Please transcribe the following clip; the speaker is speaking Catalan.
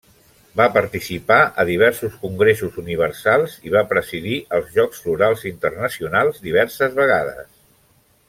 Va participar a diversos congressos universals i va presidir els Jocs Florals Internacionals diverses vegades.